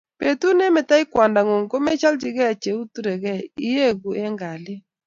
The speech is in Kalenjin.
Betut nemetoi kwondongung komecholchi cheoturekei ieku eng kalyet